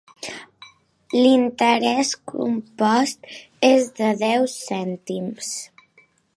L'interès compost és de deu cèntims.